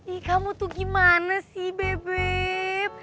ih kamu tuh gimana sih bebep